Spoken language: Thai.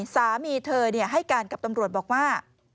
สามีเธอให้การกับตำรวจบอกว่า